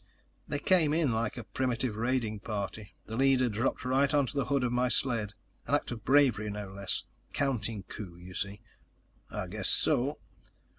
"They came in like a primitive raiding party. The leader dropped right onto the hood of my sled. An act of bravery, no less. Counting coup, you see?" "I guess so."